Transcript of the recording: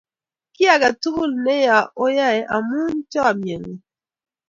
Ki ake tukul ne yo oe a oe amun chomye ng'ung'.